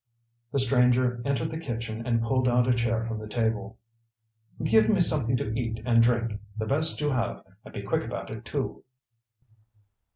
The stranger entered the kitchen and pulled out a chair from the table. "Give me something to eat and drink the best you have, and be quick about it, too."